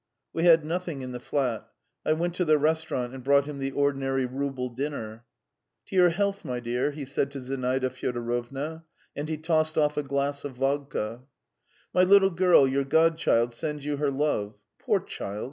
We had nothing in the flat. I went to the restaurant and brought him the ordinary rouble dinner. "To your health, my dear," he said to Zinaida Fyodorovna, and he tossed off a glass of vodka. "My little girl, your godchild, sends you her love. Poor child!